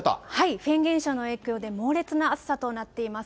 フェーン現象の影響で、猛烈な暑さとなっています。